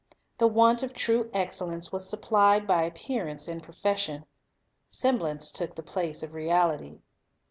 The want of true excellence was supplied by appearance and profession. Semblance took the place of reality.